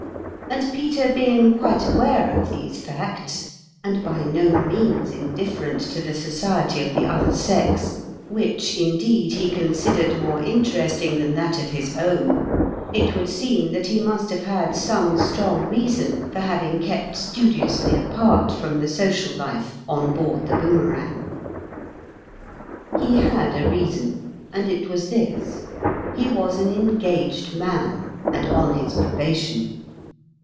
And Peter being quite aware of these facts, and by no means indifferent to the society of the other sex, which, indeed he considered prohrgtte. 11 more interesting than that of his own, it would seem that he must have had some strong reason for having kept studiously apart from the social life on board the Boomerang. He had a reason, and it was this : he was an engaged man, and on his probation.